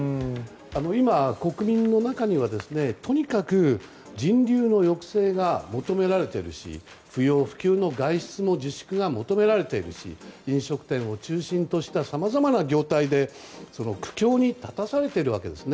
今、国民の中にはとにかく人流の抑制が求められているし不要不急の外出の自粛が求められているし飲食店を中心としたさまざまな業態で苦境に立たされているわけですね。